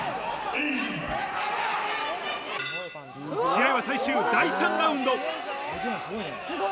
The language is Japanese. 試合は最終第３ラウンド。